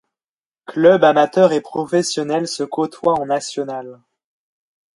Clubs amateurs et professionnels se côtoient en National.